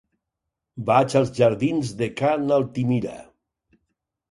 Vaig als jardins de Ca n'Altimira.